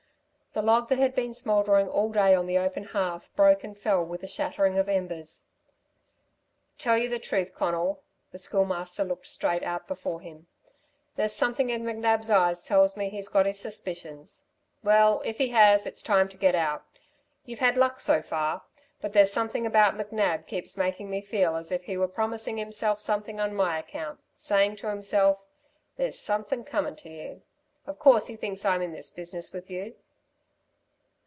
The log that had been smouldering all day on the open hearth broke and fell with a shattering of embers. "Tell you the truth, Conal," the Schoolmaster looked straight out before him. "There's something in McNab's eyes tells me he's got his suspicions well, if he has it's time to get out. You've had luck so far. But there's something about McNab keeps making me feel as if he were promising himself something on my account, saying to himself: 'There's something coming to you!' Of course he thinks I'm in this business with you."